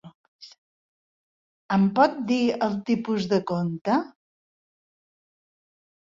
Em pot dir els tipus de compte?